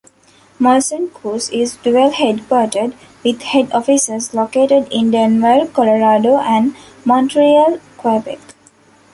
Molson Coors is dual-headquartered, with head offices located in Denver, Colorado, and Montreal, Quebec.